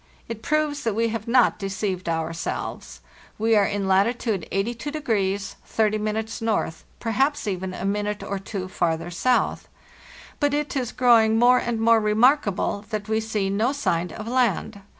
It proves that we have not deceived ourselves. We are in latitude 82° 30' N., perhaps even a minute or two farther south. But it is growing more and more remarkable that we see no sign of land.